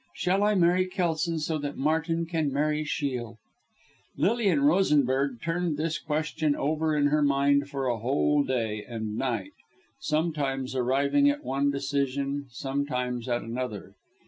Shall I marry Kelson so that Martin can marry Shiel?" Lilian Rosenberg turned this question over in her mind for a whole day and night, sometimes arriving at one decision, sometimes at another.